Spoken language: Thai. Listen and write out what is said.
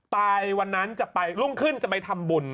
ใบ่วันนั้นจับไปลุงขึ้นจะไปทำบุญ